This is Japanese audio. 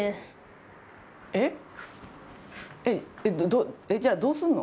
が‼じゃあどうすんの？